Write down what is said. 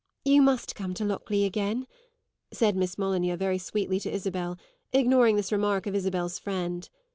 "You must come to Lockleigh again," said Miss Molyneux, very sweetly, to Isabel, ignoring this remark of Isabel's friend.